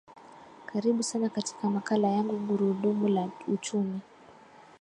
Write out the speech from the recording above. karibu sana katika makala yangu gurundumu la uchumi